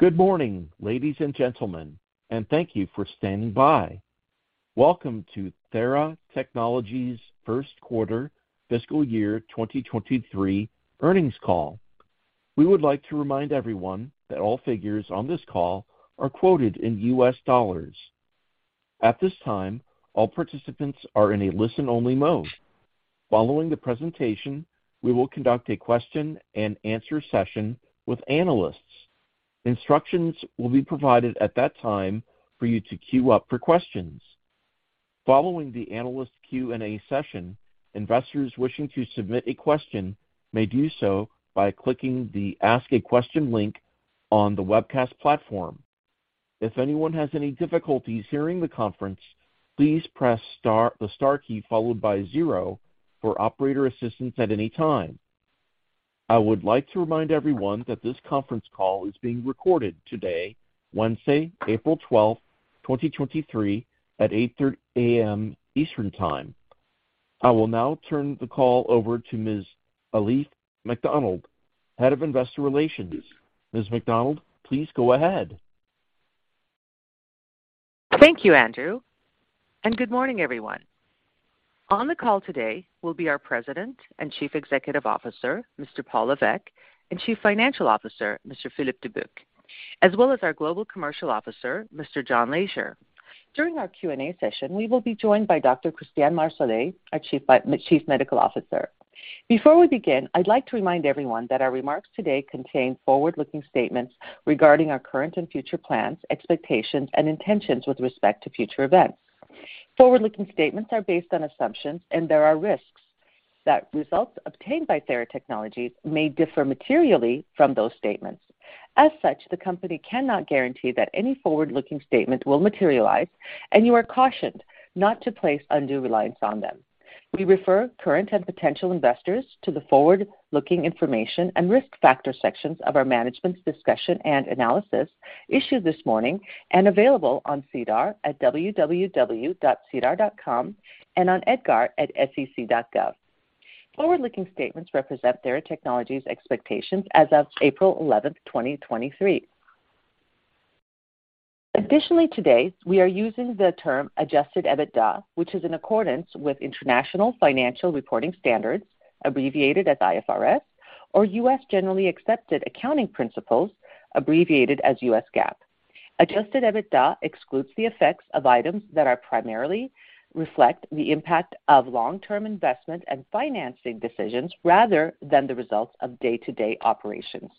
Good morning, ladies and gentlemen, and thank you for standing by. Welcome to Theratechnologies first quarter fiscal year 2023 earnings call. We would like to remind everyone that all figures on this call are quoted in US dollars. At this time, all participants are in a listen-only mode. Following the presentation, we will conduct a question and answer session with analysts. Instructions will be provided at that time for you to queue up for questions. Following the analyst Q&A session, investors wishing to submit a question may do so by clicking the Ask a Question link on the webcast platform. If anyone has any difficulties hearing the conference, please press the Star key followed by zero for operator assistance at any time. I would like to remind everyone that this conference call is being recorded today, Wednesday, April 12th, 2023 at 8:30 A.M. Eastern Time. I will now turn the call over to Ms. Elif McDonald, head of investor relations. Ms. McDonald, please go ahead. Thank you, Andrew, good morning, everyone. On the call today will be our President and Chief Executive Officer, Mr. Paul Lévesque, and Chief Financial Officer, Mr. Philippe Dubuc, as well as our Global Commercial Officer, Mr. John Leasure. During our Q&A session, we will be joined by Dr. Christian Marsolais, our Chief Medical Officer. Before we begin, I'd like to remind everyone that our remarks today contain forward-looking statements regarding our current and future plans, expectations, and intentions with respect to future events. Forward-looking statements are based on assumptions, there are risks that results obtained by Theratechnologies may differ materially from those statements. As such, the company cannot guarantee that any forward-looking statements will materialize, and you are cautioned not to place undue reliance on them. We refer current and potential investors to the forward-looking information and risk factor sections of our management's discussion and analysis issued this morning and available on SEDAR at www.sedar.com and on EDGAR at sec.gov. Forward-looking statements represent Theratechnologies expectations as of April 11th, 2023. Additionally, today we are using the term adjusted EBITDA, which is in accordance with International Financial Reporting Standards, abbreviated as IFRS or U.S. Generally Accepted Accounting Principles abbreviated as U.S. GAAP. Adjusted EBITDA excludes the effects of items that are primarily reflect the impact of long-term investment and financing decisions rather than the results of day-to-day operations.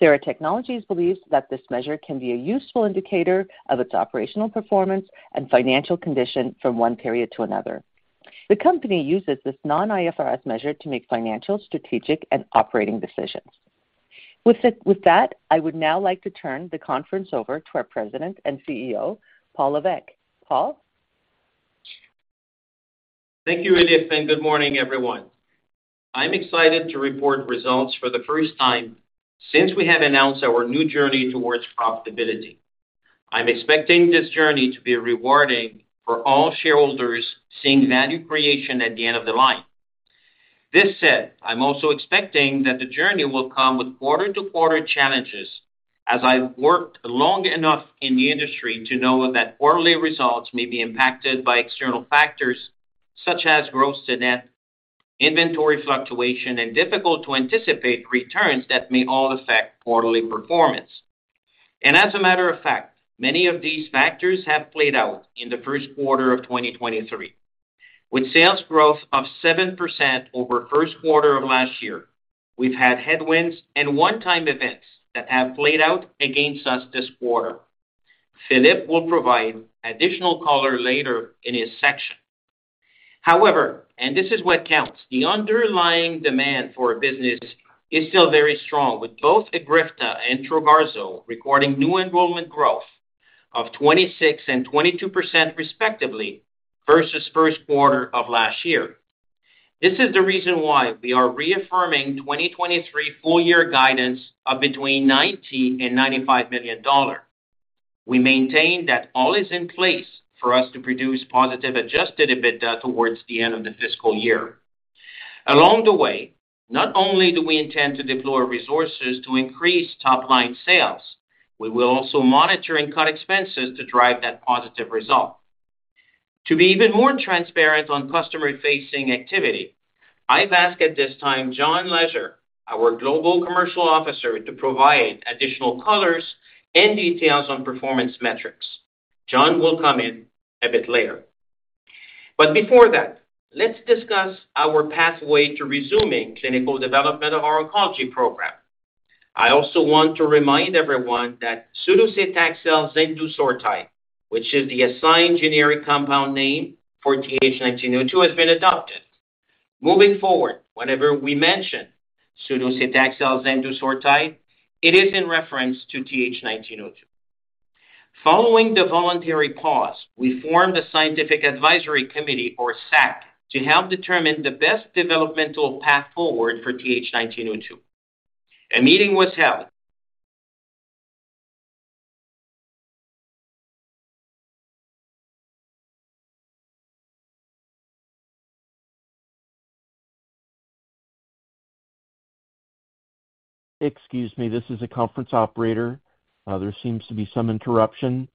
Theratechnologies believes that this measure can be a useful indicator of its operational performance and financial condition from one period to another. The company uses this non-IFRS measure to make financial, strategic, and operating decisions. With that, I would now like to turn the conference over to our President and CEO, Paul Lévesque. Paul. Thank you, Elif, good morning, everyone. I'm excited to report results for the 1st time since we have announced our new journey towards profitability. I'm expecting this journey to be rewarding for all shareholders, seeing value creation at the end of the line. This said, I'm also expecting that the journey will come with quarter-to-quarter challenges as I've worked long enough in the industry to know that quarterly results may be impacted by external factors such as gross-to-net, inventory fluctuation, and difficult-to-anticipate returns that may all affect quarterly performance. As a matter of fact, many of these factors have played out in the first quarter of 2023. With sales growth of 7% over first quarter of last year, we've had headwinds and one-time events that have played out against us this quarter. Philippe will provide additional color later in his section. And this is what counts, the underlying demand for business is still very strong, with both EGRIFTA and Trogarzo recording new enrollment growth of 26% and 22% respectively versus first quarter of last year. This is the reason why we are reaffirming 2023 full year guidance of between $90 million and $95 million. We maintain that all is in place for us to produce positive adjusted EBITDA towards the end of the fiscal year. Along the way, not only do we intend to deploy resources to increase top line sales, we will also monitor and cut expenses to drive that positive result. To be even more transparent on customer-facing activity, I've asked at this time John Leasure, our Global Commercial Officer, to provide additional colors and details on performance metrics. John will come in a bit later. Before that, let's discuss our pathway to resuming clinical development of our oncology program. I also want to remind everyone that sudocetaxel zendusortide, which is the assigned generic compound name for TH1902, has been adopted. Moving forward, whenever we mention sudocetaxel zendusortide, it is in reference to TH1902. Following the voluntary pause, we formed a scientific advisory committee or SAC, to help determine the best developmental path forward for TH1902. A meeting was held. Excuse me, this is a conference operator. There seems to be some interruption.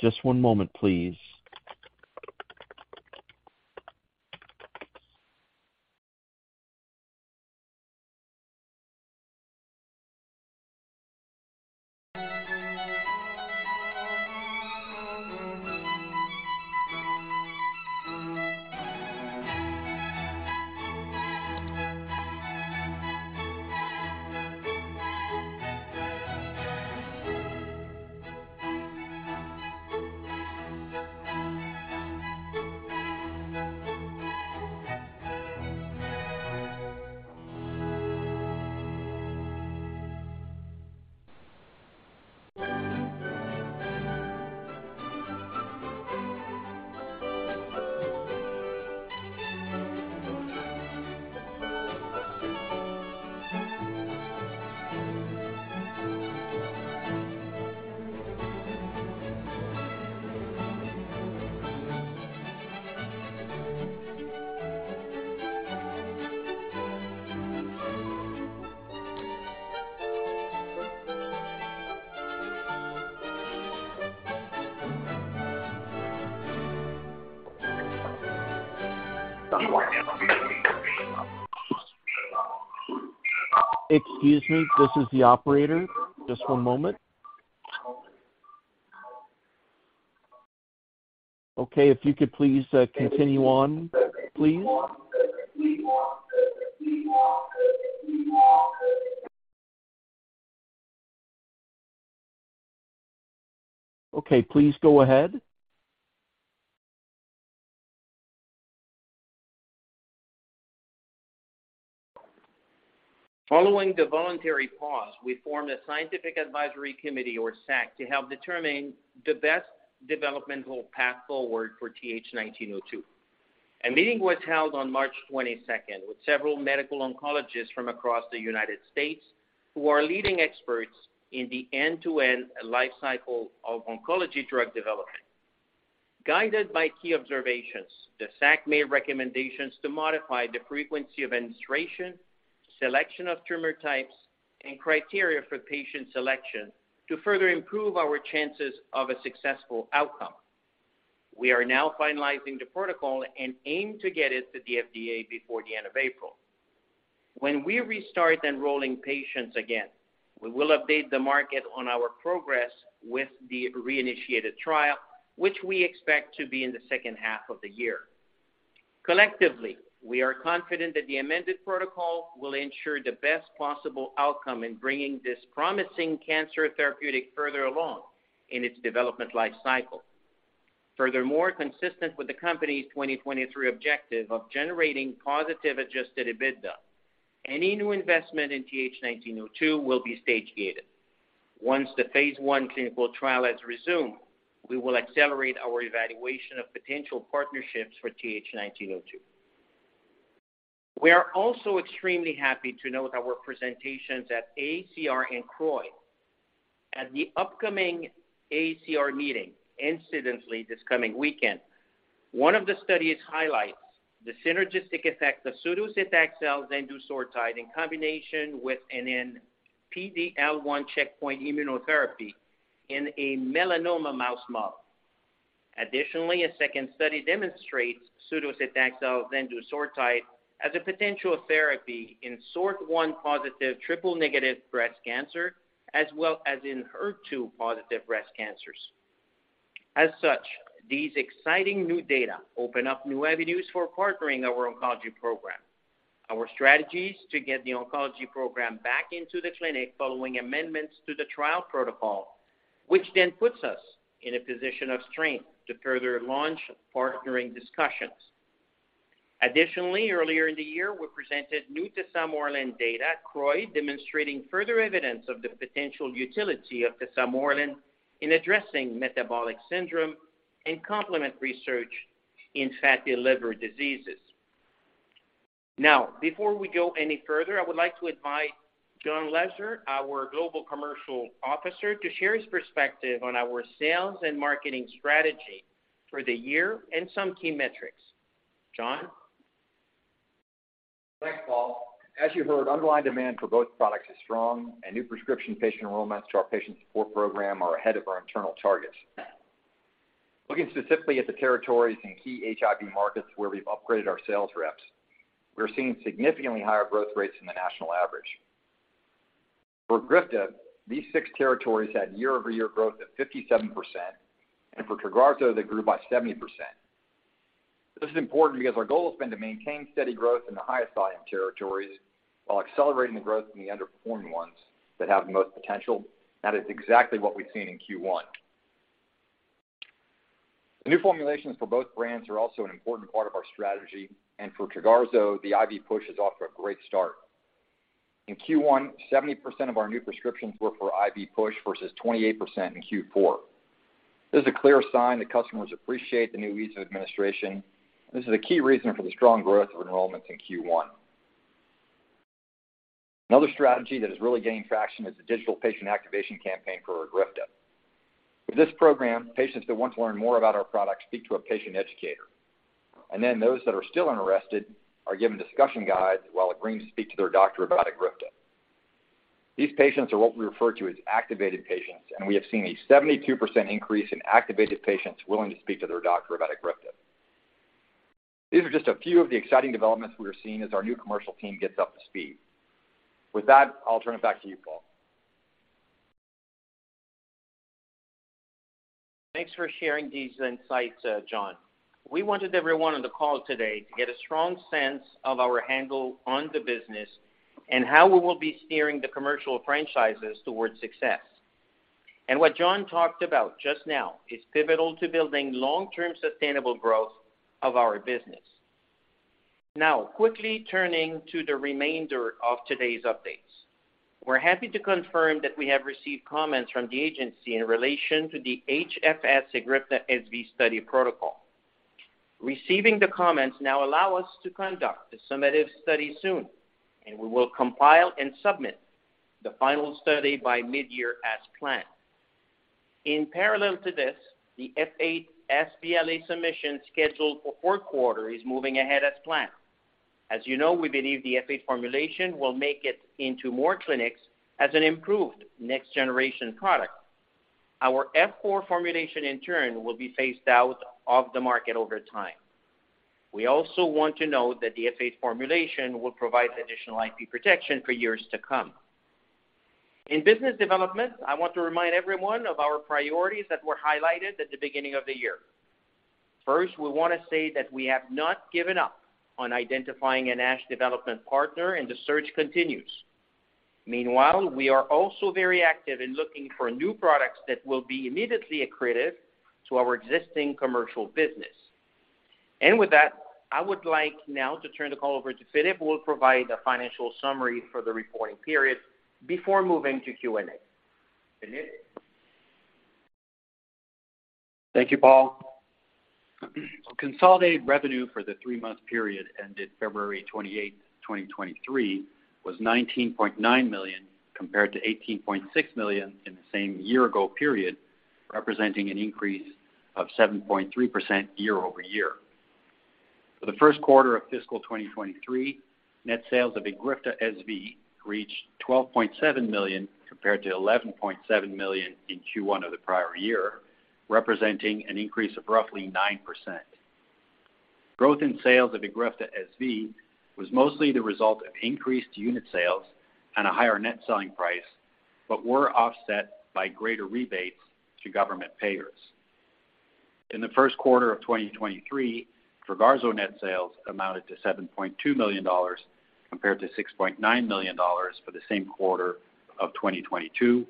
Just one moment, please. Excuse me, this is the operator. Just one moment. Okay, if you could please, continue on, please. Okay, please go ahead. Following the voluntary pause, we formed a scientific advisory committee or SAC to help determine the best developmental path forward for TH1902. A meeting was held on March 22nd with several medical oncologists from across the United States who are leading experts in the end-to-end life cycle of oncology drug development. Guided by key observations, the SAC made recommendations to modify the frequency of administration, selection of tumor types, and criteria for patient selection to further improve our chances of a successful outcome. We are now finalizing the protocol and aim to get it to the FDA before the end of April. When we restart enrolling patients again, we will update the market on our progress with the reinitiated trial, which we expect to be in the second half of the year. Collectively, we are confident that the amended protocol will ensure the best possible outcome in bringing this promising cancer therapeutic further along in its development life cycle. Furthermore, consistent with the company's 2023 objective of generating positive adjusted EBITDA, any new investment in TH1902 will be stage-gated. Once the phase I clinical trial has resumed, we will accelerate our evaluation of potential partnerships for TH1902. We are also extremely happy to note our presentations at ACR and CROI. At the upcoming ACR meeting, incidentally this coming weekend, one of the studies highlights the synergistic effect of sudocetaxel zendusortide in combination with an PD-L1 checkpoint immunotherapy in a melanoma mouse model. Additionally, a second study demonstrates sudocetaxel zendusortide as a potential therapy in SORT1 positive triple negative breast cancer as well as in HER2 positive breast cancers. These exciting new data open up new avenues for partnering our oncology program. Our strategy is to get the oncology program back into the clinic following amendments to the trial protocol, which puts us in a position of strength to further launch partnering discussions. Earlier in the year we presented new tesamorelin data at CROI demonstrating further evidence of the potential utility of tesamorelin in addressing metabolic syndrome and complement research in fatty liver diseases. Before we go any further, I would like to invite John Leasure, our Global Commercial Officer, to share his perspective on our sales and marketing strategy for the year and some key metrics. John? Thanks, Paul. As you heard, underlying demand for both products is strong and new prescription patient enrollments to our patient support program are ahead of our internal targets. Looking specifically at the territories in key HIV markets where we've upgraded our sales reps, we're seeing significantly higher growth rates than the national average. For EGRIFTA, these six territories had year-over-year growth of 57% and for Trogarzo, they grew by 70%. This is important because our goal has been to maintain steady growth in the highest volume territories while accelerating the growth in the underperforming ones that have the most potential. That is exactly what we've seen in Q1. The new formulations for both brands are also an important part of our strategy. For Trogarzo, the IV push is off to a great start. In Q1, 70% of our new prescriptions were for IV push versus 28% in Q4. This is a clear sign that customers appreciate the new ease of administration. This is a key reason for the strong growth of enrollments in Q1. Another strategy that is really gaining traction is the digital patient activation campaign for EGRIFTA with this program, patients that want to learn more about our products speak to a patient educator. Those that are still interested are given discussion guides while agreeing to speak to their doctor about EGRIFTA. These patients are what we refer to as activated patients. We have seen a 72% increase in activated patients willing to speak to their doctor about EGRIFTA. These are just a few of the exciting developments we are seeing as our new commercial team gets up to speed. With that, I'll turn it back to you, Paul. Thanks for sharing these insights, John. We wanted everyone on the call today to get a strong sense of our handle on the business and how we will be steering the commercial franchises towards success. What John talked about just now is pivotal to building long-term sustainable growth of our business. Quickly turning to the remainder of today's updates. We're happy to confirm that we have received comments from the agency in relation to the HFS EGRIFTA SV study protocol. Receiving the comments now allow us to conduct the summative study soon, and we will compile and submit the final study by mid-year as planned. In parallel to this, the F8 sBLA submission scheduled for fourth quarter is moving ahead as planned. As you know, we believe the F8 formulation will make it into more clinics as an improved next-generation product. Our F4 formulation, in turn, will be phased out of the market over time. We also want to note that the F8 formulation will provide additional IP protection for years to come. In business development, I want to remind everyone of our priorities that were highlighted at the beginning of the year. First, we want to say that we have not given up on identifying a NASH development partner, and the search continues. We are also very active in looking for new products that will be immediately accretive to our existing commercial business. With that, I would like now to turn the call over to Philippe, who will provide a financial summary for the reporting period before moving to Q&A. Philippe? Thank you, Paul. Consolidated revenue for the three-month period ended February 28th, 2023 was $19.9 million compared to $18.6 million in the same year-ago period, representing an increase of 7.3% year-over-year. For the first quarter of fiscal 2023, net sales of EGRIFTA SV reached $12.7 million compared to $11.7 million in Q1 of the prior year, representing an increase of roughly 9%. Growth in sales of EGRIFTA SV was mostly the result of increased unit sales and a higher net selling price, were offset by greater rebates to government payers. In the first quarter of 2023, Trogarzo net sales amounted to $7.2 million compared to $6.9 million for the same quarter of 2022,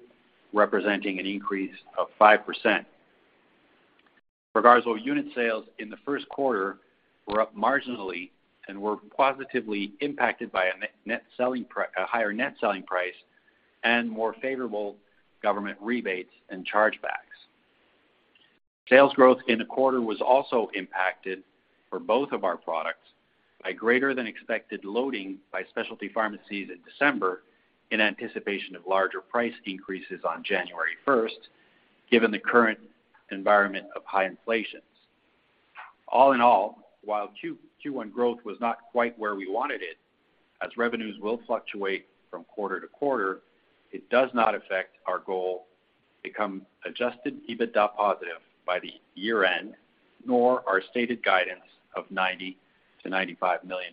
representing an increase of 5%. Trogarzo unit sales in the first quarter were up marginally and were positively impacted by a higher net selling price and more favorable government rebates and charge-backs. Sales growth in the quarter was also impacted for both of our products by greater than expected loading by specialty pharmacies in December in anticipation of larger price increases on January 1st, given the current environment of high inflation. All in all, while Q1 growth was not quite where we wanted it, as revenues will fluctuate from quarter-to-quarter, it does not affect our goal become adjusted EBITDA positive by the year-end, nor our stated guidance of $90 million-$95 million.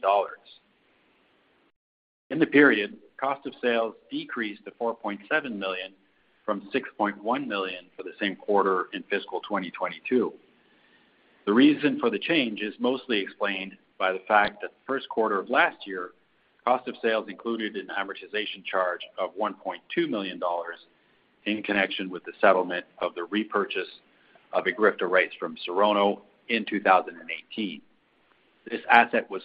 In the period, cost of sales decreased to $4.7 million from $6.1 million for the same quarter in fiscal 2022. The reason for the change is mostly explained by the fact that the first quarter of last year, cost of sales included an amortization charge of $1.2 million in connection with the settlement of the repurchase of EGRIFTA rights from EMD Serono in 2018. This asset was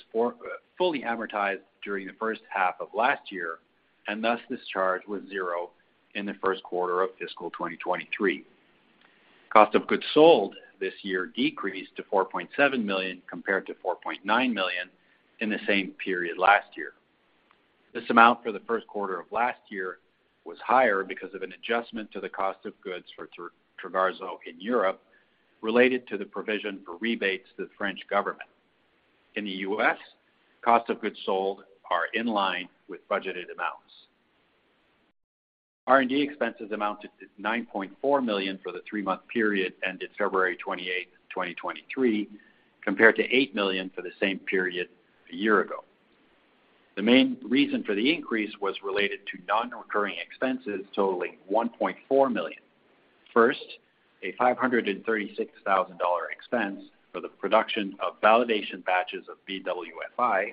fully amortized during the first half of last year, and thus this charge was zero in the first quarter of fiscal 2023. Cost of goods sold this year decreased to $4.7 million compared to $4.9 million in the same period last year. This amount for the first quarter of last year was higher because of an adjustment to the cost of goods for Trogarzo in Europe related to the provision for rebates to the French government. In the U.S., cost of goods sold are in line with budgeted amounts. R&D expenses amounted to $9.4 million for the three-month period ended February 28th, 2023, compared to $8 million for the same period a year ago. The main reason for the increase was related to non-recurring expenses totaling $1.4 million. First, a $536,000 expense for the production of validation batches of BWFI.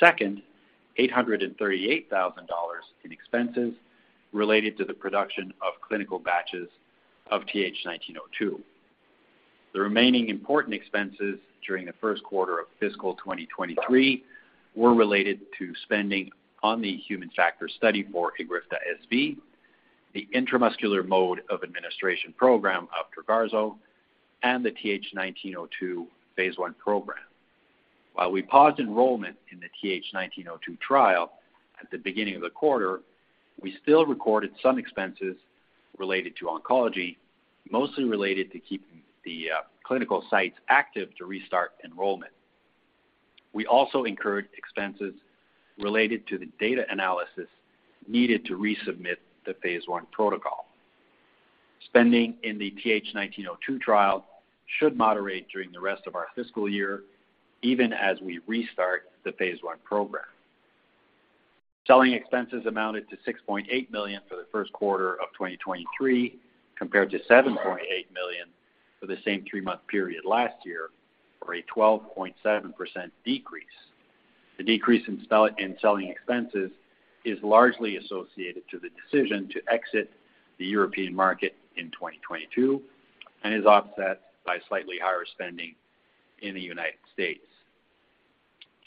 Second, $838,000 in expenses related to the production of clinical batches of TH1902. The remaining important expenses during the first quarter of fiscal 2023 were related to spending on the human factor study for EGRIFTA SV, the intramuscular mode of administration program of Trogarzo, and the TH1902 phase I program. While we paused enrollment in the TH1902 trial at the beginning of the quarter, we still recorded some expenses related to oncology, mostly related to keeping the clinical sites active to restart enrollment. We also incurred expenses related to the data analysis needed to resubmit the phase I protocol. Spending in the TH1902 trial should moderate during the rest of our fiscal year, even as we restart the phase I program. Selling expenses amounted to $6.8 million for the first quarter of 2023, compared to $7.8 million for the same three-month period last year, or a 12.7% decrease. The decrease in selling expenses is largely associated to the decision to exit the European market in 2022 and is offset by slightly higher spending in the United States.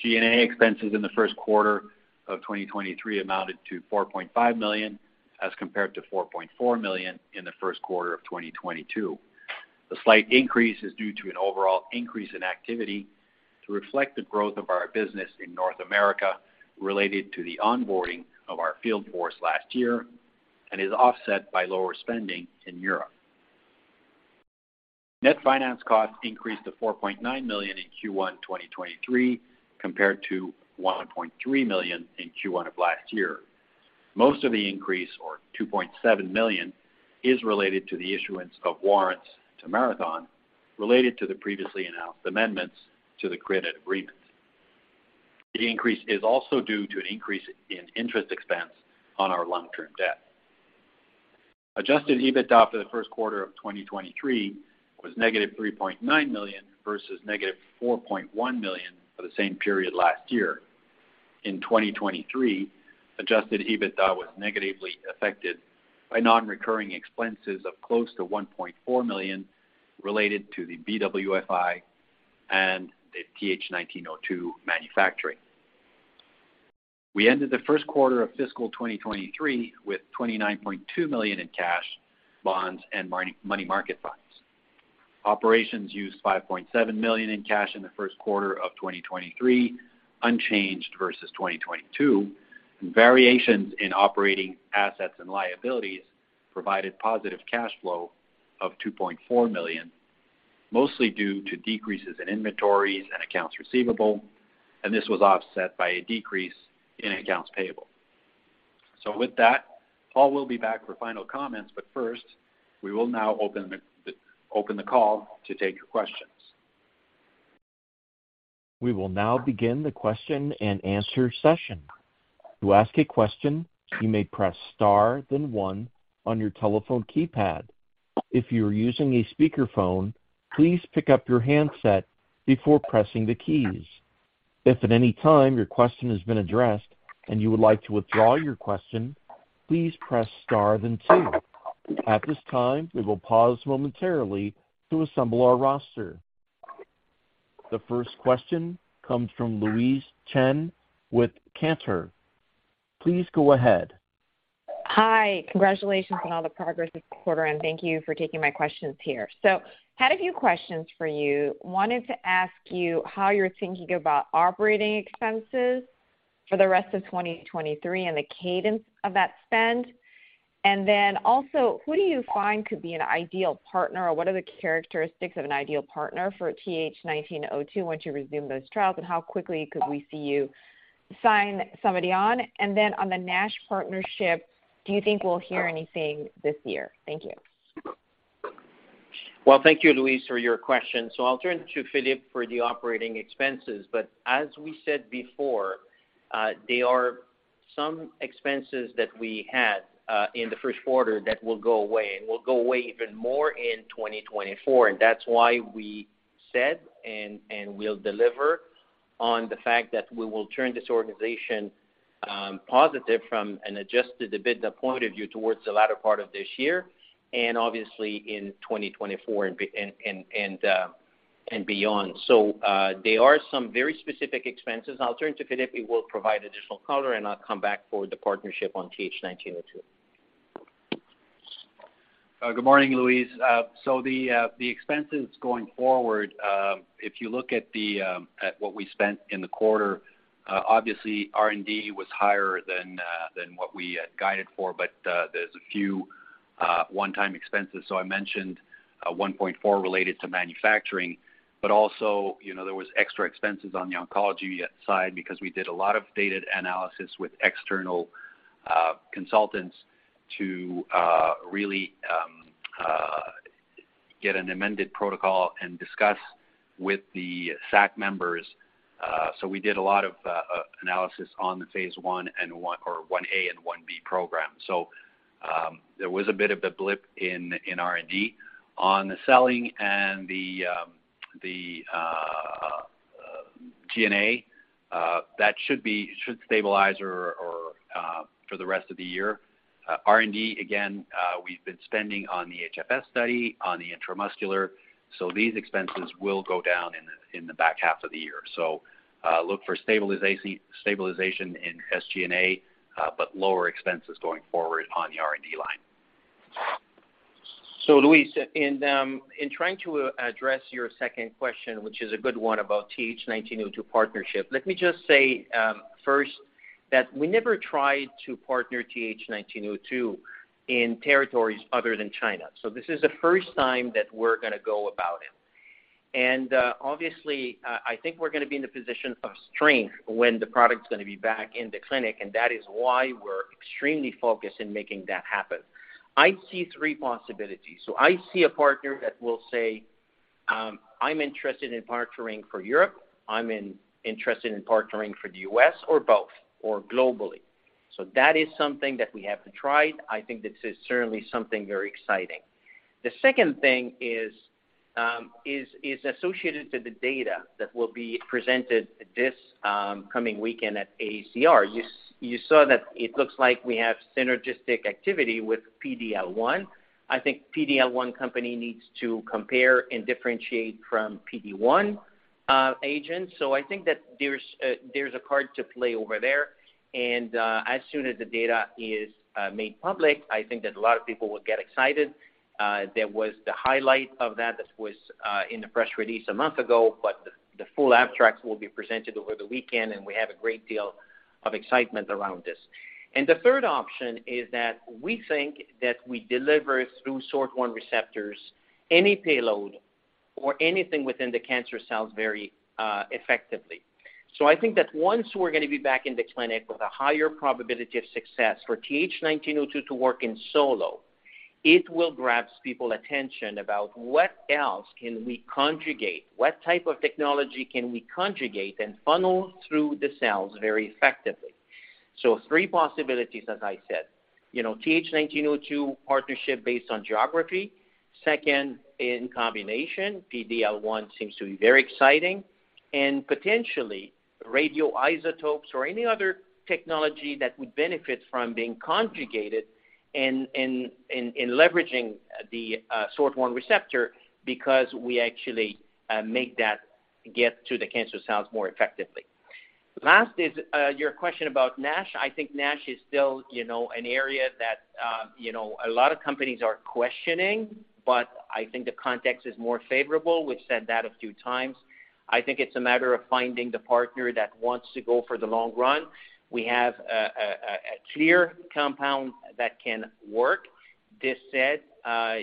G&A expenses in the first quarter of 2023 amounted to $4.5 million, as compared to $4.4 million in the first quarter of 2022. The slight increase is due to an overall increase in activity to reflect the growth of our business in North America related to the onboarding of our field force last year and is offset by lower spending in Europe. Net finance costs increased to $4.9 million in Q1 2023 compared to $1.3 million in Q1 of last year. Most of the increase, or $2.7 million, is related to the issuance of warrants to Marathon related to the previously announced amendments to the credit agreement. The increase is also due to an increase in interest expense on our long-term debt. Adjusted EBITDA for the first quarter of 2023 was -$3.9 million versus -$4.1 million for the same period last year. In 2023, adjusted EBITDA was negatively affected by non-recurring expenses of close to $1.4 million related to the BWFI and the TH1902 manufacturing. We ended the first quarter of fiscal 2023 with $29.2 million in cash, bonds, and money market funds. Operations used $5.7 million in cash in the first quarter of 2023, unchanged versus 2022. Variations in operating assets and liabilities provided positive cash flow of $2.4 million, mostly due to decreases in inventories and accounts receivable. This was offset by a decrease in accounts payable. With that, Paul will be back for final comments. First, we will now open the call to take your questions. We will now begin the question-and-answer session. To ask a question, you may press star, then one on your telephone keypad. If you are using a speakerphone, please pick up your handset before pressing the keys. If at any time your question has been addressed and you would like to withdraw your question, please press star than two. At this time, we will pause momentarily to assemble our roster. The first question comes from Louise Chen with Cantor. Please go ahead. Hi. Congratulations on all the progress this quarter, and thank you for taking my questions here. Had a few questions for you. Wanted to ask you how you're thinking about operating expenses for the rest of 2023 and the cadence of that spend. Also, who do you find could be an ideal partner, or what are the characteristics of an ideal partner for TH1902 once you resume those trials, and how quickly could we see you sign somebody on? On the NASH partnership, do you think we'll hear anything this year? Thank you. Well, thank you, Louise, for your question. I'll turn to Philippe for the operating expenses. As we said before, there are some expenses that we had in the first quarter that will go away and will go away even more in 2024. That's why we said and we'll deliver on the fact that we will turn this organization positive from an adjusted EBITDA point of view towards the latter part of this year and obviously in 2024 and beyond. There are some very specific expenses. I'll turn to Philippe, who will provide additional color, and I'll come back for the partnership on TH1902. Good morning, Louise. The expenses going forward, if you look at what we spent in the quarter, obviously R&D was higher than what we had guided for, but there's a few one-time expenses. I mentioned $1.4 million related to manufacturing, but also, you know, there was extra expenses on the oncology side because we did a lot of data analysis with external consultants to really get an amended protocol and discuss with the SAC members. We did a lot of analysis on the phase I-A and phase I-B program. There was a bit of a blip in R&D. On the selling and the G&A, that should stabilize or for the rest of the year. R&D, again, we've been spending on the HFS study, on the intramuscular. These expenses will go down in the back half of the year. Look for stabilization in SG&A, but lower expenses going forward on the R&D line. Louise, in trying to address your second question, which is a good one about TH1902 partnership, let me just say, first that we never tried to partner TH1902 in territories other than China. This is the first time that we're gonna go about it. Obviously, I think we're gonna be in a position of strength when the product's gonna be back in the clinic, and that is why we're extremely focused in making that happen. I see three possibilities. I see a partner that will say, "I'm interested in partnering for Europe. I'm interested in partnering for the U.S. or both or globally." That is something that we haven't tried. I think this is certainly something very exciting. The second thing is associated to the data that will be presented this coming weekend at ACR. You saw that it looks like we have synergistic activity with PD-L1. I think PD-L1 company needs to compare and differentiate from PD1 agents. I think that there's a card to play over there. As soon as the data is made public, I think that a lot of people will get excited. There was the highlight of that was in the press release a month ago, but the full abstract will be presented over the weekend, and we have a great deal of excitement around this. The third option is that we think that we deliver through SORT1 receptors any payload or anything within the cancer cells very effectively. I think that once we're gonna be back in the clinic with a higher probability of success for TH1902 to work in solo, it will grabs people attention about what else can we conjugate, what type of technology can we conjugate and funnel through the cells very effectively. Three possibilities, as I said. You know, TH1902 partnership based on geography. Second, in combination, PD-L1 seems to be very exciting. Potentially, radioisotopes or any other technology that would benefit from being conjugated in leveraging the SORT1 receptor because we actually make that get to the cancer cells more effectively. Last is your question about NASH. NASH is still, you know, an area that, you know, a lot of companies are questioning, but I think the context is more favorable. We've said that a few times. I think it's a matter of finding the partner that wants to go for the long run. We have a clear compound that can work. This said,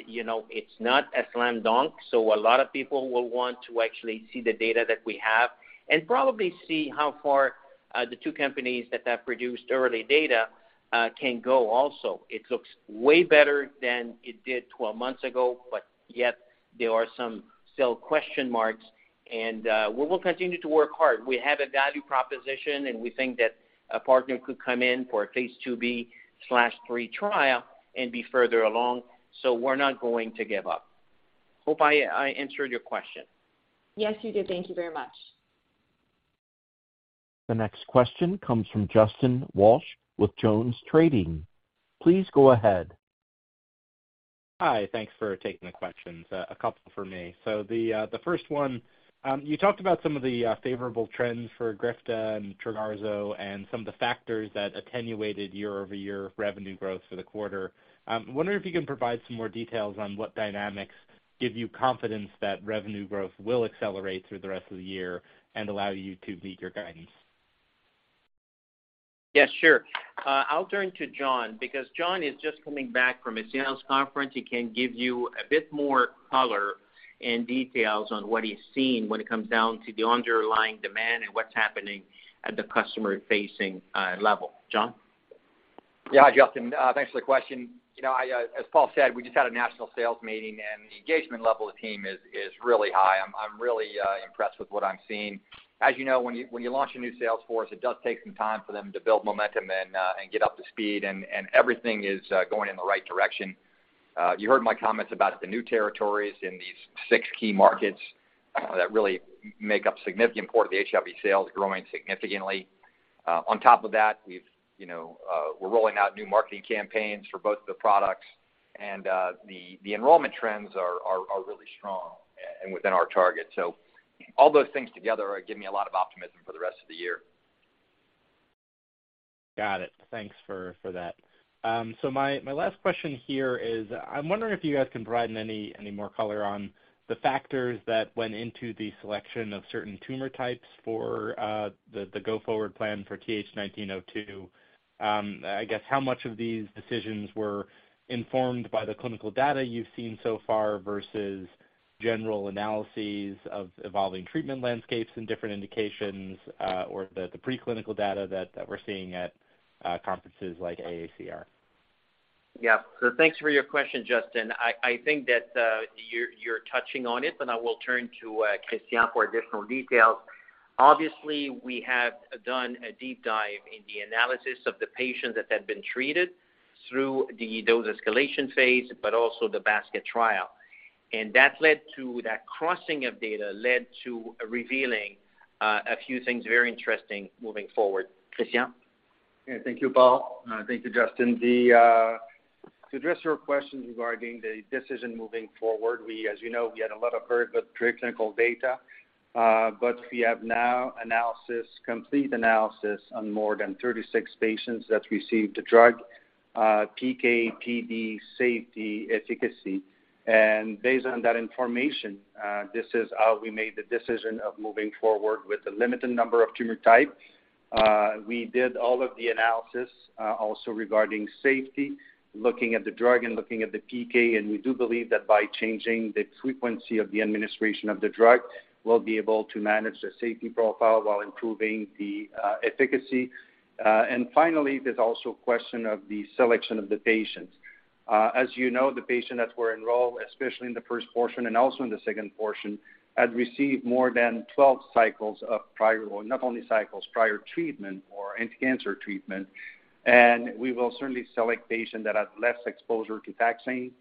you know, it's not a slam dunk. A lot of people will want to actually see the data that we have and probably see how far the two companies that have produced early data can go also. It looks way better than it did 12 months ago. Yet there are some still question marks, and we will continue to work hard. We have a value proposition, and we think that a partner could come in for a phase II-B/III trial and be further along. We're not going to give up. Hope I answered your question. Yes, you did. Thank you very much. The next question comes from Justin Walsh with JonesTrading. Please go ahead. Hi. Thanks for taking the questions. A couple from me. The first one, you talked about some of the favorable trends for EGRIFTA and Trogarzo and some of the factors that attenuated year-over-year revenue growth for the quarter. Wondering if you can provide some more details on what dynamics give you confidence that revenue growth will accelerate through the rest of the year and allow you to meet your guidance? Yes, sure. I'll turn to John because John is just coming back from a sales conference. He can give you a bit more color and details on what he's seeing when it comes down to the underlying demand and what's happening at the customer-facing level. John? Yeah. Hi, Justin. Thanks for the question. You know, I as Paul said, we just had a national sales meeting, and the engagement level of the team is really high. I'm really impressed with what I'm seeing. As you know, when you launch a new sales force, it does take some time for them to build momentum and get up to speed and everything is going in the right direction. You heard my comments about the new territories in these six key markets that really make up a significant portion of the HIV sales growing significantly. On top of that, we've, you know, we're rolling out new marketing campaigns for both the products and the enrollment trends are really strong and within our target. All those things together give me a lot of optimism for the rest of the year. Got it. Thanks for that. My last question here is, I'm wondering if you guys can provide any more color on the factors that went into the selection of certain tumor types for the go-forward plan for TH1902. I guess how much of these decisions were informed by the clinical data you've seen so far versus general analyses of evolving treatment landscapes in different indications, or the preclinical data that we're seeing at conferences like ACR? Thanks for your question, Justin. I think that you're touching on it, and I will turn to Christian for additional details. Obviously, we have done a deep dive in the analysis of the patients that have been treated through the dose escalation phase but also the basket trial. That crossing of data led to revealing a few things very interesting moving forward. Christian? Thank you, Paul. Thank you, Justin. To address your question regarding the decision moving forward, we, as you know, we had a lot of preclinical data, but we have now analysis, complete analysis on more than 36 patients that received the drug. PK, PD, safety, efficacy. Based on that information, this is how we made the decision of moving forward with a limited number of tumor types. We did all of the analysis, also regarding safety, looking at the drug and looking at the PK, and we do believe that by changing the frequency of the administration of the drug, we'll be able to manage the safety profile while improving the efficacy. Finally, there's also a question of the selection of the patients. As you know, the patients that were enrolled, especially in the first portion and also in the second portion, had received more than 12 cycles of prior treatment or anti-cancer treatment. We will certainly select patients that had less exposure to taxane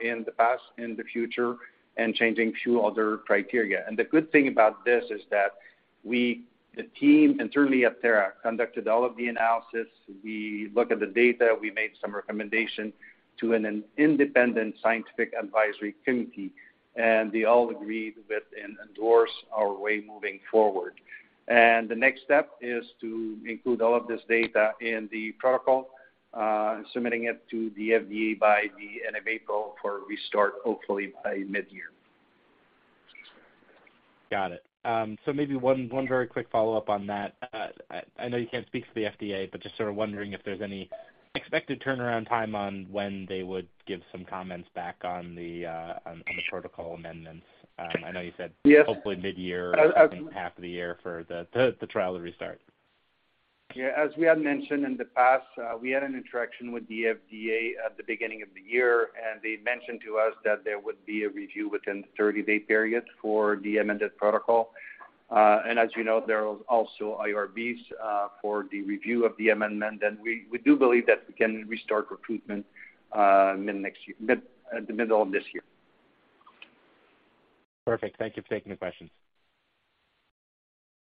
in the past, in the future, and changing few other criteria. The good thing about this is that we, the team internally at Thera, conducted all of the analysis. We look at the data, we made some recommendation to an independent scientific advisory committee, and they all agreed with and endorse our way moving forward. The next step is to include all of this data in the protocol, submitting it to the FDA by the end of April for restart, hopefully by mid-year. Got it. Maybe one very quick follow-up on that. I know you can't speak to the FDA, but just sort of wondering if there's any expected turnaround time on when they would give some comments back on the protocol amendments. I know you said. Yes... hopefully mid-year or something half of the year for the trial to restart. Yeah. As we had mentioned in the past, we had an interaction with the FDA at the beginning of the year, and they mentioned to us that there would be a review within the 30-day period for the amended protocol. As you know, there was also IRBs for the review of the amendment. We do believe that we can restart recruitment the middle of this year. Perfect. Thank you for taking the questions.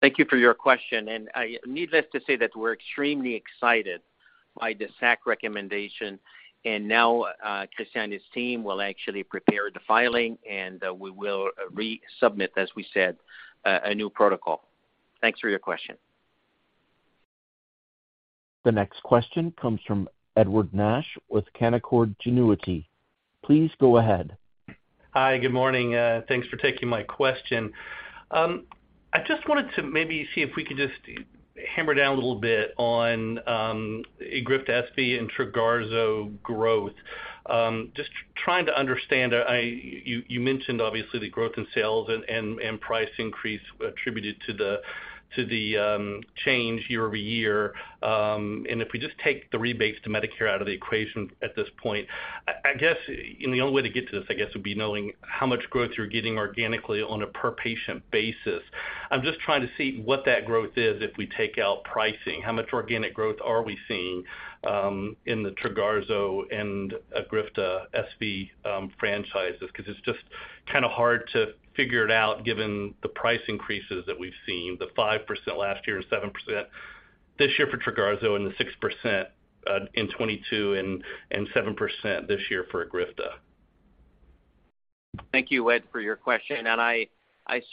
Thank you for your question. Needless to say that we're extremely excited by the SAC recommendation. Now, Christian and his team will actually prepare the filing, and we will resubmit, as we said, a new protocol. Thanks for your question. The next question comes from Edward Nash with Canaccord Genuity. Please go ahead. Hi. Good morning. Thanks for taking my question. I just wanted to maybe see if we could just hammer down a little bit on EGRIFTA SV and Trogarzo growth. Just trying to understand. You mentioned obviously the growth in sales and price increase attributed to the change year-over-year. If we just take the rebates to Medicare out of the equation at this point, I guess, and the only way to get to this, I guess, would be knowing how much growth you're getting organically on a per patient basis. I'm just trying to see what that growth is if we take out pricing, how much organic growth are we seeing, in the Trogarzo and EGRIFTA SV franchises, because it's just kind of hard to figure it out given the price increases that we've seen, the 5% last year and 7% this year for Trogarzo and the 6% in 2022 and 7% this year for EGRIFTA. Thank you, Ed, for your question, and I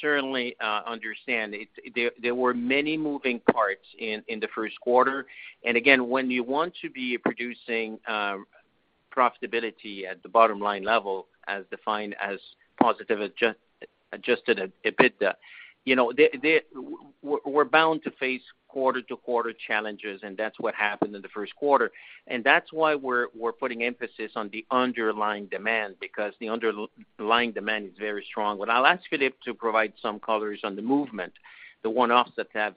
certainly understand. There were many moving parts in the first quarter. Again, when you want to be producing profitability at the bottom line level as defined as positive adjusted EBITDA, you know, we're bound to face quarter-to-quarter challenges, and that's what happened in the first quarter. That's why we're putting emphasis on the underlying demand, because the underlying demand is very strong. I'll ask Philippe to provide some colors on the movement, the one-offs that have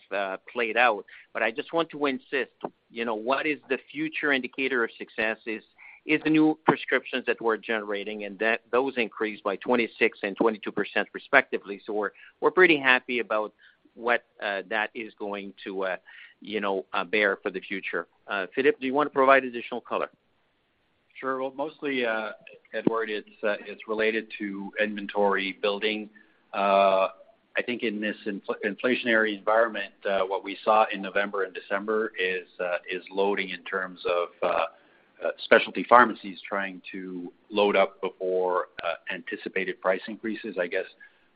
played out. I just want to insist, you know, what is the future indicator of success is the new prescriptions that we're generating, and those increased by 26% and 22% respectively. We're pretty happy about what that is going to, you know, bear for the future. Philippe, do you want to provide additional color? Sure. Well, mostly, Edward, it's related to inventory building. I think in this inflationary environment, what we saw in November and December is loading in terms of specialty pharmacies trying to load up before anticipated price increases. I guess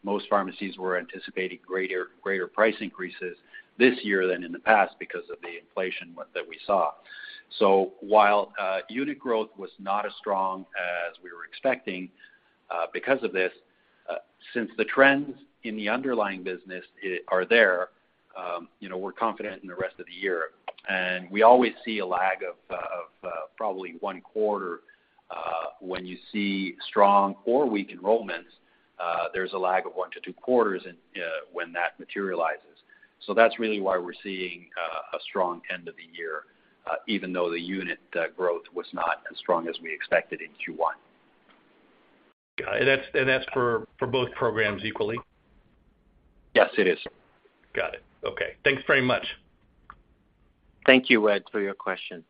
most pharmacies were anticipating greater price increases this year than in the past because of the inflation that we saw. While unit growth was not as strong as we were expecting, because of this, since the trends in the underlying business are there, you know, we're confident in the rest of the year. We always see a lag of probably one quarter, when you see strong or weak enrollments, there's a lag of one to two quarters in when that materializes. That's really why we're seeing a strong end of the year, even though the unit growth was not as strong as we expected in Q1. That's for both programs equally? Yes, it is. Got it. Okay. Thanks very much. Thank you, Ed, for your question.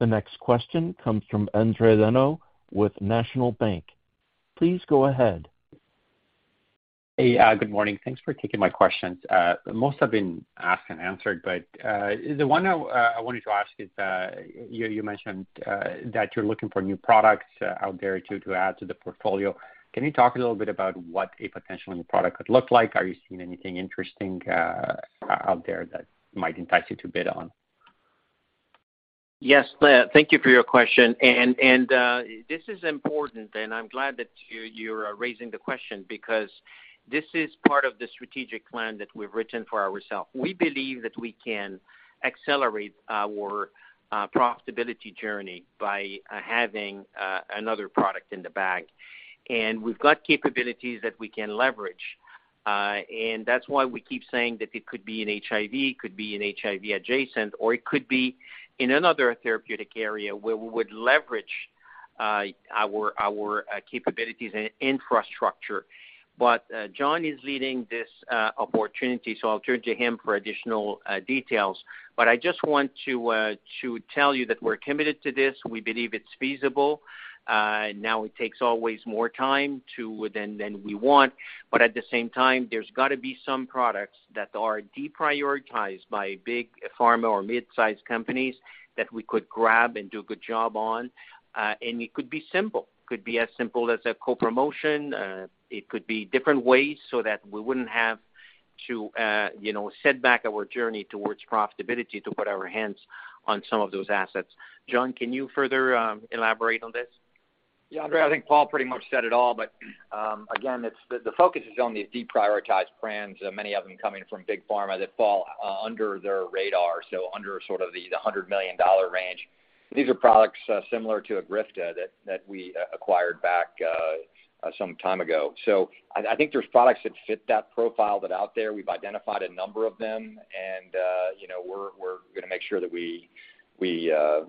The next question comes from Endri Leno with National Bank. Please go ahead. Hey, good morning. Thanks for taking my questions. Most have been asked and answered. The one I wanted to ask is, you mentioned, that you're looking for new products, out there to add to the portfolio. Can you talk a little bit about what a potential new product could look like? Are you seeing anything interesting, out there that might entice you to bid on? Yes, thank you for your question. And this is important, and I'm glad that you're raising the question because this is part of the strategic plan that we've written for ourselves. We believe that we can accelerate our profitability journey by having another product in the bag. We've got capabilities that we can leverage. That's why we keep saying that it could be in HIV, it could be in HIV adjacent, or it could be in another therapeutic area where we would leverage our capabilities and infrastructure. John is leading this opportunity, so I'll turn to him for additional details. I just want to tell you that we're committed to this. We believe it's feasible. Now it takes always more time than we want. At the same time, there's gotta be some products that are deprioritized by big pharma or mid-size companies that we could grab and do a good job on. It could be simple. Could be as simple as a co-promotion. It could be different ways so that we wouldn't have to, you know, set back our journey towards profitability to put our hands on some of those assets. John, can you further elaborate on this? Endri, I think Paul Lévesque pretty much said it all. Again, the focus is on these deprioritized brands, many of them coming from big pharma that fall under their radar, under sort of the $100 million range. These are products similar to EGRIFTA that we acquired back some time ago. I think there's products that fit that profile that are out there. We've identified a number of them and, you know, we're gonna make sure that we sort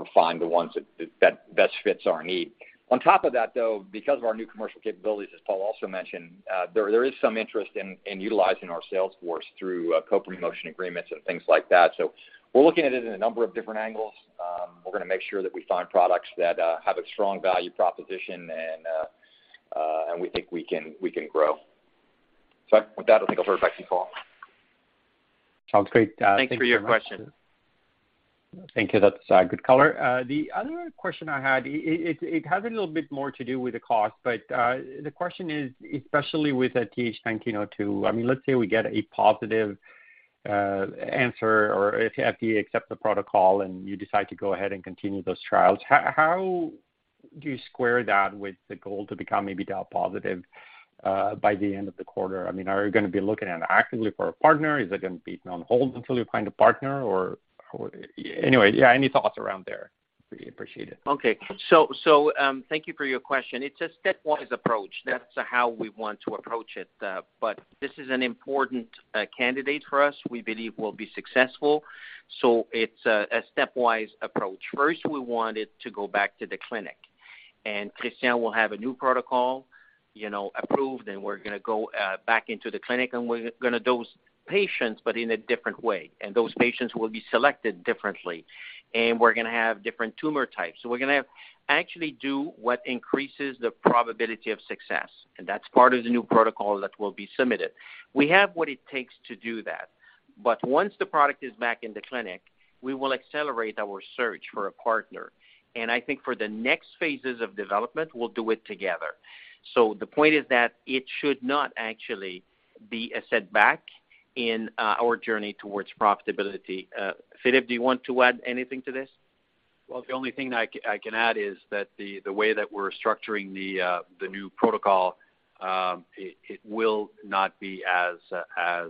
of find the ones that best fits our need. On top of that, though, because of our new commercial capabilities, as Paul Lévesque also mentioned, there is some interest in utilizing our sales force through co-promotion agreements and things like that. We're looking at it in a number of different angles. We're gonna make sure that we find products that have a strong value proposition and we think we can grow. With that, I think I'll turn it back to you, Paul. Sounds great. Thank you very much. Thanks for your question. Thank you. That's good color. The other question I had, it has a little bit more to do with the cost. The question is, especially with TH1902, I mean, let's say we get a positive answer or if the FDA accept the protocol and you decide to go ahead and continue those trials, how do you square that with the goal to become EBITDA positive by the end of the quarter? I mean, are you gonna be looking in actively for a partner? Is it gonna be on hold until you find a partner? Or anyway, yeah, any thoughts around there? We appreciate it. Okay. Thank you for your question. It's a stepwise approach. That's how we want to approach it. This is an important candidate for us. We believe we'll be successful. It's a stepwise approach. First, we want it to go back to the clinic, and Christian will have a new protocol, you know, approved, and we're gonna go back into the clinic, and we're gonna dose patients, but in a different way. Those patients will be selected differently. We're gonna have different tumor types. We're gonna actually do what increases the probability of success, and that's part of the new protocol that will be submitted. We have what it takes to do that. Once the product is back in the clinic, we will accelerate our search for a partner. I think for the next phases of development, we'll do it together. The point is that it should not actually be a setback in our journey towards profitability. Philippe, do you want to add anything to this? The only thing I can add is that the way that we're structuring the new protocol, it will not be as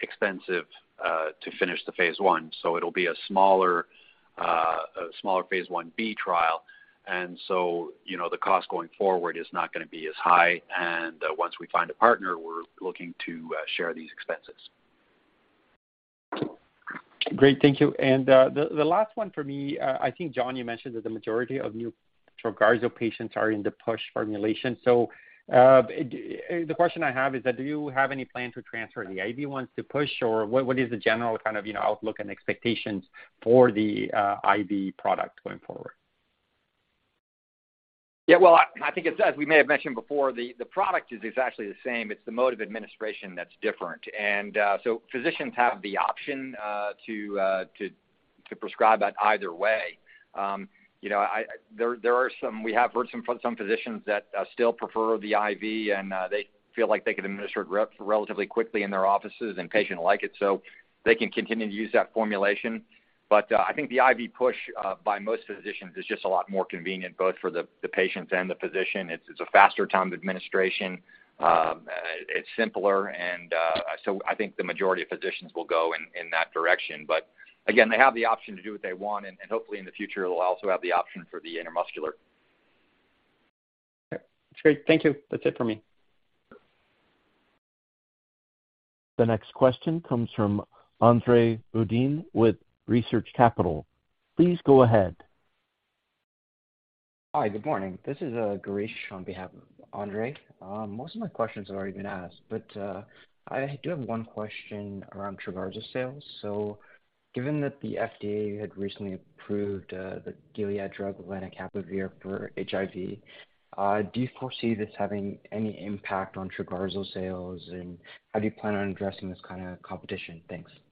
expensive to finish the phase I. It'll be a smaller, a smaller phase I-B trial. You know, the cost going forward is not gonna be as high. Once we find a partner, we're looking to share these expenses. Great. Thank you. The last one for me, I think, John, you mentioned that the majority of new Trogarzo patients are in the push formulation. The question I have is that, do you have any plan to transfer the IV ones to push, or what is the general kind of, you know, outlook and expectations for the IV product going forward? Yeah. Well, I think as we may have mentioned before, the product is exactly the same. It's the mode of administration that's different. Physicians have the option to prescribe that either way. You know, we have heard from some physicians that still prefer the IV, and they feel like they can administer it relatively quickly in their offices, and patients like it, so they can continue to use that formulation. I think the IV push by most physicians is just a lot more convenient, both for the patients and the physician. It's a faster time to administration, it's simpler and so I think the majority of physicians will go in that direction. Again, they have the option to do what they want, and hopefully in the future they'll also have the option for the intramuscular. Okay. That's great. Thank you. That's it for me. The next question comes from Andre Uddin with Research Capital. Please go ahead. Hi. Good morning. This is Girish on behalf of Andre. Most of my questions have already been asked, but I do have one question around Trogarzo sales. Given that the FDA had recently approved the Gilead drug lenacapavir for HIV, do you foresee this having any impact on Trogarzo sales, and how do you plan on addressing this kind of competition? Thanks. Thanks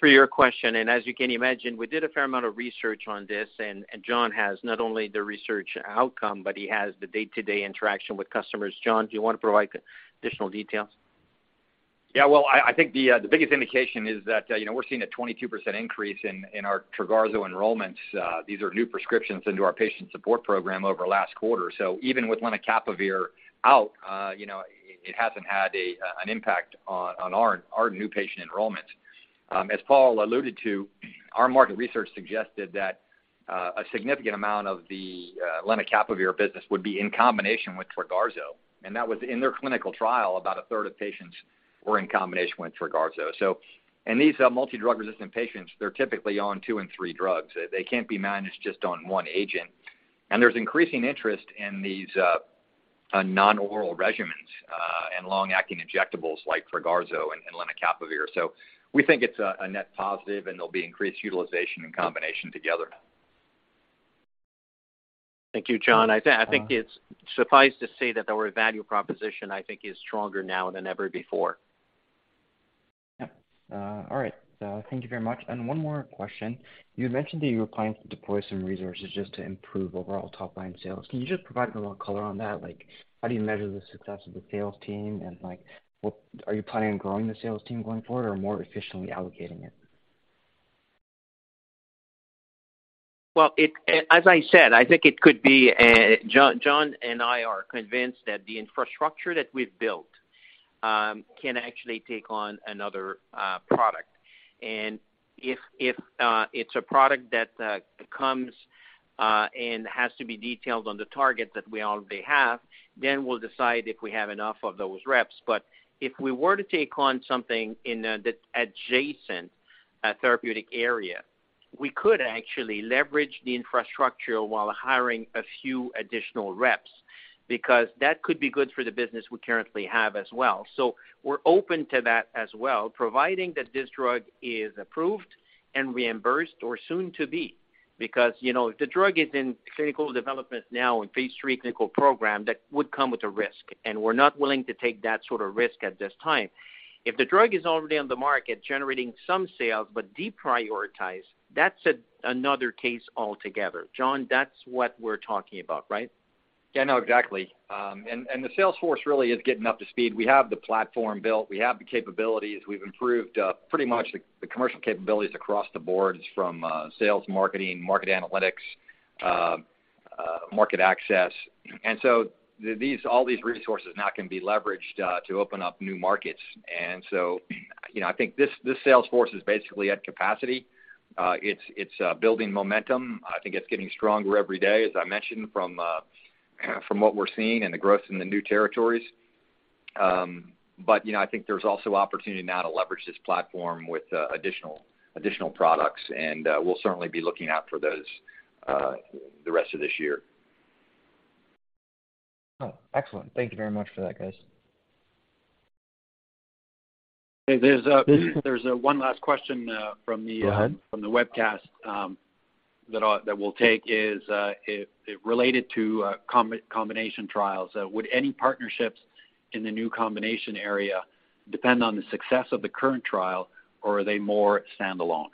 for your question. As you can imagine, we did a fair amount of research on this, and John has not only the research outcome, but he has the day-to-day interaction with customers. John, do you wanna provide additional details? Yeah, well, I think the biggest indication is that, you know, we're seeing a 22% increase in our Trogarzo enrollments. These are new prescriptions into our patient support program over last quarter. Even with lenacapavir out, you know, it hasn't had an impact on our new patient enrollments. As Paul alluded to, our market research suggested that a significant amount of the lenacapavir business would be in combination with Trogarzo, and that was in their clinical trial, about a third of patients were in combination with Trogarzo. These are multidrug-resistant patients, they're typically on two and three drugs. They can't be managed just on one agent. There's increasing interest in these non-oral regimens, and long-acting injectables like Trogarzo and lenacapavir. We think it's a net positive and there'll be increased utilization in combination together. Thank you, John. I think it's suffice to say that our value proposition, I think is stronger now than ever before. Yeah. All right. Thank you very much. One more question. You had mentioned that you were planning to deploy some resources just to improve overall top-line sales. Can you just provide a little color on that? Like, how do you measure the success of the sales team and, like, what are you planning on growing the sales team going forward or more efficiently allocating it? Well, as I said, I think it could be, John and I are convinced that the infrastructure that we've built can actually take on another product. If it's a product that comes and has to be detailed on the target that we already have, we'll decide if we have enough of those reps. If we were to take on something in the adjacent therapeutic area, we could actually leverage the infrastructure while hiring a few additional reps, because that could be good for the business we currently have as well. We're open to that as well, providing that this drug is approved and reimbursed or soon to be. You know, if the drug is in clinical development now, in phase III clinical program, that would come with a risk, and we're not willing to take that sort of risk at this time. If the drug is already on the market, generating some sales, but deprioritized, that's another case altogether. John, that's what we're talking about, right? Yeah. No, exactly. The sales force really is getting up to speed. We have the platform built. We have the capabilities. We've improved pretty much the commercial capabilities across the board from sales, marketing, market analytics, market access. All these resources now can be leveraged to open up new markets. You know, I think this sales force is basically at capacity. It's building momentum. I think it's getting stronger every day, as I mentioned, from what we're seeing and the growth in the new territories. You know, I think there's also opportunity now to leverage this platform with additional products, and we'll certainly be looking out for those the rest of this year. Oh, excellent. Thank you very much for that, guys. There's one last question. Go ahead.... from the webcast, that we'll take is, related to, combination trials. Would any partnerships in the new combination area depend on the success of the current trial, or are they more standalone?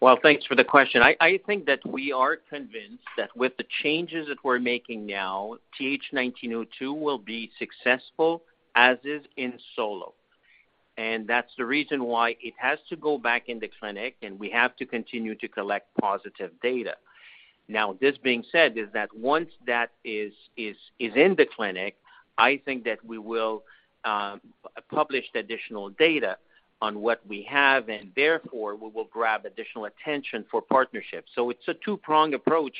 Well, thanks for the question. I think that we are convinced that with the changes that we're making now, TH1902 will be successful as is in solo. That's the reason why it has to go back in the clinic, and we have to continue to collect positive data. This being said, is that once that is in the clinic, I think that we will publish the additional data on what we have and therefore we will grab additional attention for partnerships. It's a two-prong approach,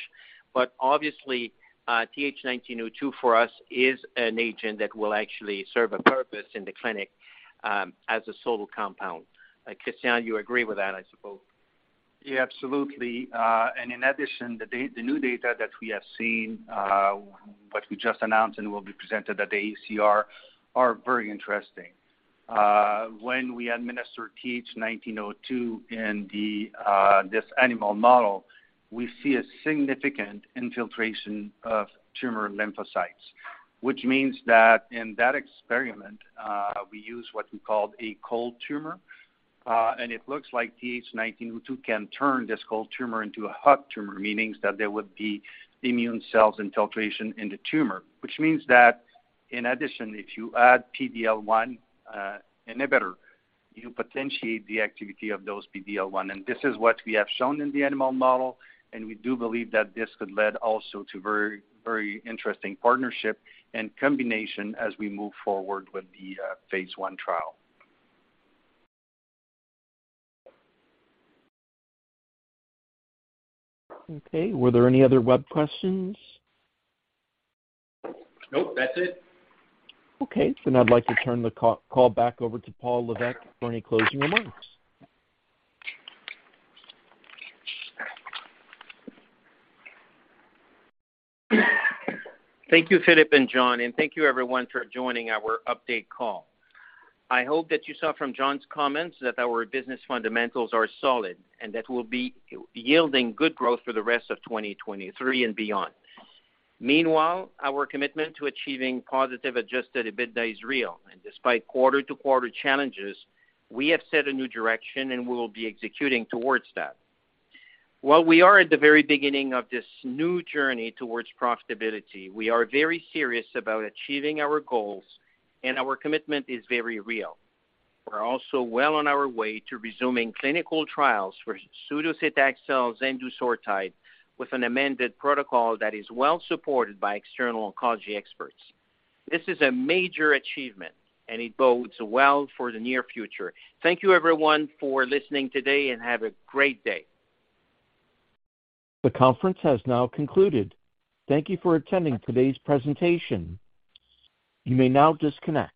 but obviously, TH1902 for us is an agent that will actually serve a purpose in the clinic as a solo compound. Christian, you agree with that, I suppose? Absolutely. In addition, the new data that we have seen, what we just announced and will be presented at the ACR are very interesting. When we administer TH1902 in this animal model, we see a significant infiltration of tumor lymphocytes, which means that in that experiment, we use what we call a cold tumor. It looks like TH1902 can turn this cold tumor into a hot tumor, meaning that there would be immune cells infiltration in the tumor. In addition, if you add PD-L1 inhibitor, you potentiate the activity of those PD-L1. This is what we have shown in the animal model, and we do believe that this could lead also to very, very interesting partnership and combination as we move forward with the phase I trial. Were there any other web questions? Nope. That's it. Okay. I'd like to turn the call back over to Paul Lévesque for any closing remarks. Thank you, Philip and John. Thank you everyone for joining our update call. I hope that you saw from John's comments that our business fundamentals are solid and that we'll be yielding good growth for the rest of 2023 and beyond. Meanwhile, our commitment to achieving positive adjusted EBITDA is real. Despite quarter-to-quarter challenges, we have set a new direction. We will be executing towards that. While we are at the very beginning of this new journey towards profitability, we are very serious about achieving our goals. Our commitment is very real. We're also well on our way to resuming clinical trials for sudocetaxel zendusortide with an amended protocol that is well supported by external oncology experts. This is a major achievement. It bodes well for the near future. Thank you everyone for listening today. Have a great day. The conference has now concluded. Thank you for attending today's presentation. You may now disconnect.